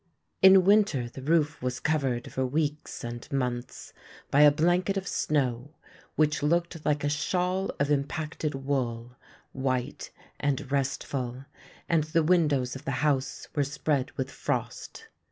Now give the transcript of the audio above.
In winter the roof was covered for weeks and months by a 1)lanket of snow which looked like a shawl of im pacted wool, white and restful, and the windows of the house were spread with frost.